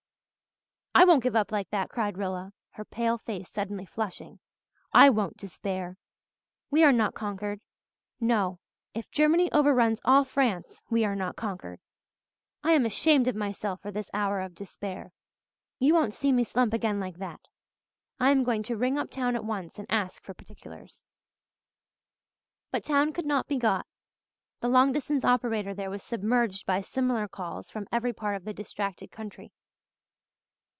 '" "I won't give up like that," cried Rilla, her pale face suddenly flushing. "I won't despair. We are not conquered no, if Germany overruns all France we are not conquered. I am ashamed of myself for this hour of despair. You won't see me slump again like that, I'm going to ring up town at once and ask for particulars." But town could not be got. The long distance operator there was submerged by similar calls from every part of the distracted country.